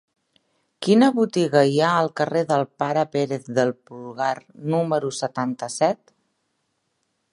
Quina botiga hi ha al carrer del Pare Pérez del Pulgar número setanta-set?